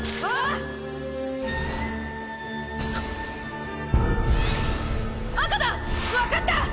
わかった！